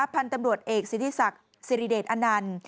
พันธุ์ตำรวจเอกศิริษัทศิริเดชอนันต์